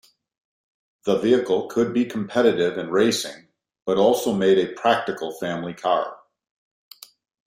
The vehicle could be competitive in racing, but also made a practical family car.